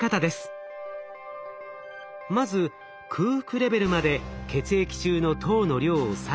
まず空腹レベルまで血液中の糖の量を下げ